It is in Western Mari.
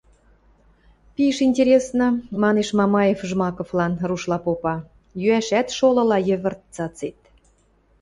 — Пиш интересно, — манеш Мамаев Жмаковлан, рушла попа, — йӱӓшӓт шолыла йывырт цацет...